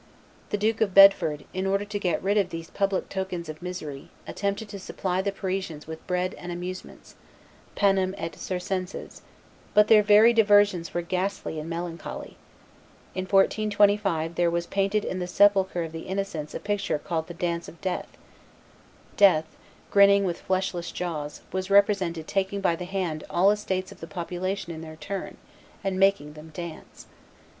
The Duke of Bedford, in order to get rid of these public tokens of misery, attempted to supply the Parisians with bread and amusements (panem et circenses); but their very diversions were ghastly and melancholy. In 1425, there was painted in the sepulchre of the Innocents a picture called the Dance of Death: Death, grinning with fleshless jaws, was represented taking by the hand all estates of the population in their turn, and making them dance.